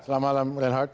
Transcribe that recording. selamat malam renhard